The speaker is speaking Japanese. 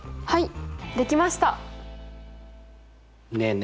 はい。